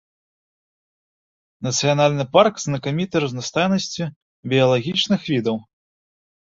Нацыянальны парк знакаміты разнастайнасцю біялагічных відаў.